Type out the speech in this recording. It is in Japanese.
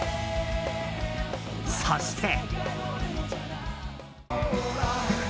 そして。